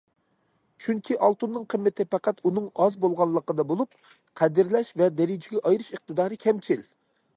چۈنكى ئالتۇننىڭ قىممىتى پەقەت ئۇنىڭ ئاز بولغانلىقىدا بولۇپ، قەدىرلەش ۋە دەرىجىگە ئايرىش ئىقتىدارى كەمچىل.